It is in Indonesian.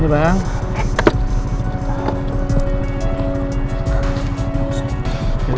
terima kasih bang